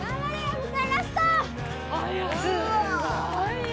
すごいよ！